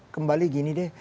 kembali gini deh